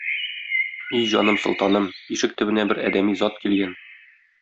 И җаным-солтаным, ишек төбенә бер адәми зат килгән.